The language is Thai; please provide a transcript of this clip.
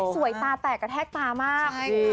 ตาแตกกระแทกตามาก